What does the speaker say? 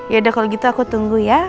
yaudah kalau gitu aku tunggu ya